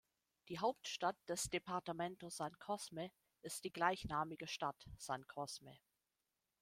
Die Hauptstadt des Departamento San Cosme ist die gleichnamige Stadt San Cosme.